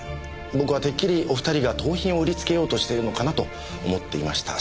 僕はてっきりお２人が盗品を売りつけようとしてるのかなと思っていました。